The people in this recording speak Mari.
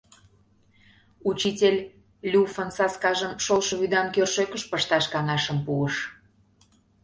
Учитель люффын саскажым шолшо вӱдан кӧршӧкыш пышташ каҥашым пуыш.